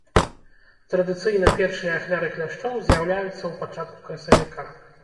Традыцыйна першыя ахвяры кляшчоў з'яўляюцца ў пачатку красавіка.